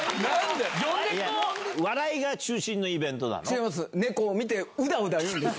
違います。